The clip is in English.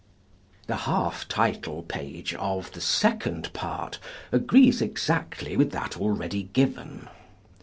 The half title page of THE SECOND PART agrees exactly with that already given.